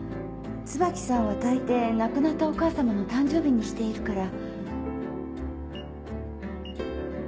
椿さんは大抵亡くなったお母様の誕生日にしているから。